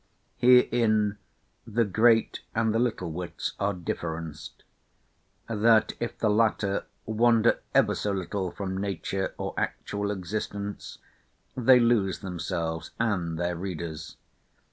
Herein the great and the little wits are differenced; that if the latter wander ever so little from nature or actual existence, they lose themselves, and their readers.